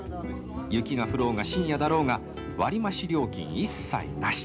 雪が降ろうが深夜だろうが、割り増し料金一切なし。